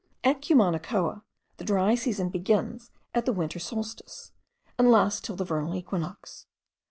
At Cumanacoa, the dry season begins at the winter solstice, and lasts till the vernal equinox.